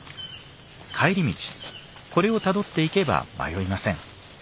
帰り道これをたどっていけば迷いません。